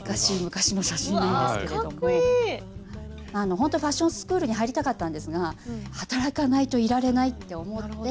ほんとはファッションスクールに入りたかったんですが働かないといられないって思って。